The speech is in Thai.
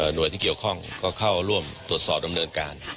โดยที่เกี่ยวข้องก็เข้าร่วมตรวจสอบดำเนินการ